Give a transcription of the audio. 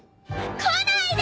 来ないで！